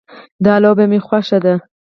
دا لوبه مې خوښه ده